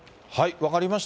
分かりました。